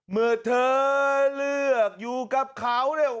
เมื่อเธอเลือกอยู่กับเขา